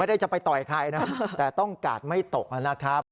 จะไปต่อยใครนะแต่ต้องกาดไม่ตกนะครับ